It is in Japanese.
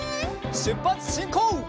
しゅっぱつしんこう！